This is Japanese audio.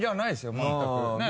全くねぇ。